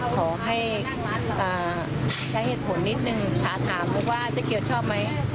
ขอให้อ่าใช้เหตุผลนิดนึงสาธารณ์ว่าเจ้าเกียวชอบไหม